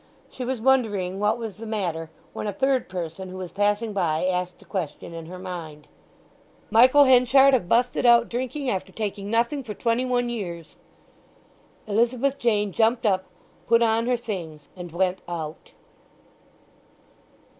She was wondering what was the matter, when a third person who was passing by asked the question in her mind. "Michael Henchard have busted out drinking after taking nothing for twenty one years!" Elizabeth Jane jumped up, put on her things, and went out.